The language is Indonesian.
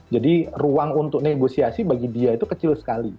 jadi ruang untuk negosiasi bagi dia itu kecil sekali